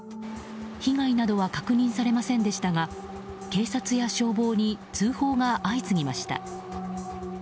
被害などは確認されませんでしたが警察や消防に通報が相次ぎました。